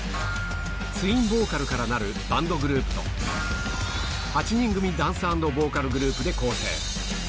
ツインボーカルからなるバンドグループと、８人組ダンス＆ボーカルグループで構成。